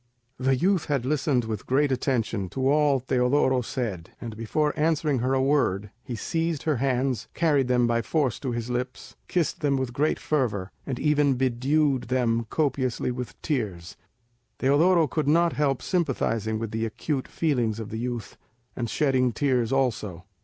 The youth had listened with great attention to all Teodoro said, and, before answering her a word, he seized her hands, carried them by force to his lips, kissed them with great fervour, and even bedewed them copiously with tears. Teodoro could not help sympathising with the acute feelings of the youth, and shedding tears also.